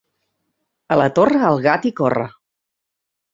A la Torre el gat hi corre.